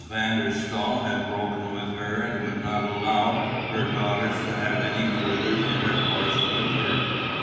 van der Staal had broken with her and would not allow her daughters to have any further intercourse with her.